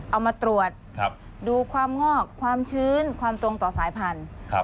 เอามาตรวจดูความงอกความชื้นความตรงต่อสายพันธุ์